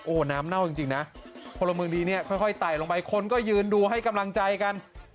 โอ้โหน้ำเน่าจริงนะพลเมืองดีเนี่ยค่อยไต่ลงไปคนก็ยืนดูให้กำลังใจกัน